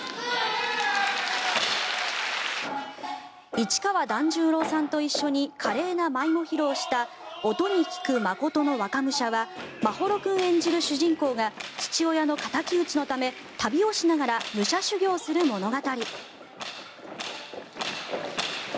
市川團十郎さんと一緒に華麗な舞も披露した「音菊眞秀若武者」は眞秀君演じる主人公が父親のかたき討ちのため旅をしながら武者修行をする物語。